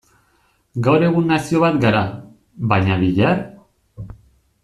Gaur egun nazio bat gara, baina bihar?